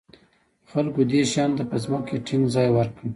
خلک دې شیانو ته په ځمکه کې ټینګ ځای ورکړ.